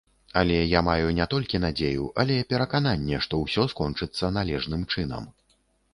Але я маю не толькі надзею, але перакананне, што ўсё скончыцца належным чынам.